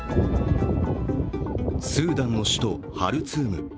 スーダンの首都ハルツーム。